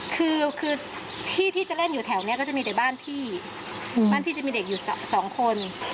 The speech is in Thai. คือคือที่ที่จะเล่นอยู่แถวนี้ก็จะมีแต่บ้านพี่บ้านพี่จะมีเด็กอยู่สองคน